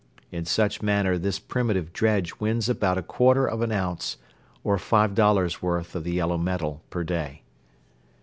In such manner this primitive dredge wins about a quarter of an ounce or five dollars' worth of the yellow metal per day.